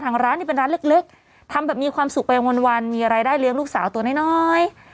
ร้านนี่เป็นร้านเล็กทำแบบมีความสุขไปวันมีรายได้เลี้ยงลูกสาวตัวน้อย